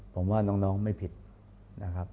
ผมว่าน้องไม่ผิดนะครับ